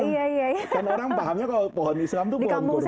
karena orang pahamnya kalau pohon islam itu pohon kurma